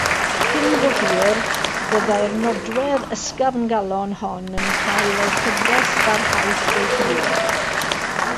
Cyn bo hir, byddai'r nodwedd ysgafngalon hon yn cael ei chyfres barhaus ei hun.